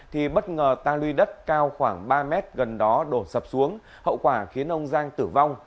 thì bất ngờ tang luy đất cao khoảng ba mét gần đó đổ sập xuống hậu quả khiến ông giang tử vong